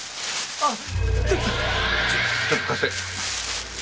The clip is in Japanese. あっ！